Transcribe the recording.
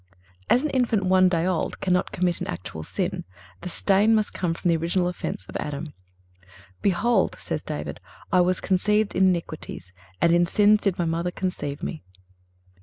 (333) As an infant one day old cannot commit an actual sin, the stain must come from the original offense of Adam. "Behold," says David, "I was conceived in iniquities, and in sins did my mother conceive me."